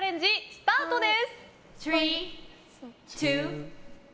スタートです。